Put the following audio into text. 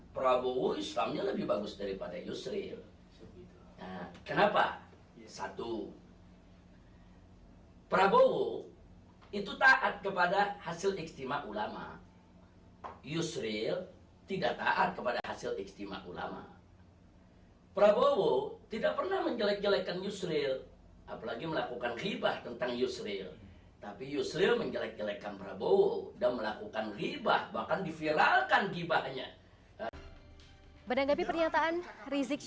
prabowo islamnya tidak jelas